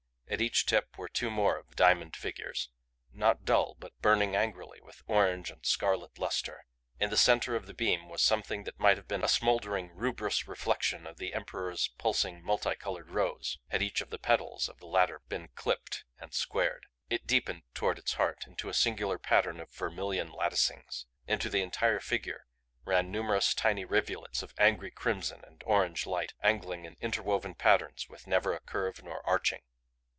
At each tip were two more of the diamond figures, not dull but burning angrily with orange and scarlet luster. In the center of the beam was something that might have been a smoldering rubrous reflection of the Emperor's pulsing multicolored rose had each of the petals of the latter been clipped and squared. It deepened toward its heart into a singular pattern of vermilion latticings. Into the entire figure ran numerous tiny rivulets of angry crimson and orange light, angling in interwoven patterns with never a curve nor arching.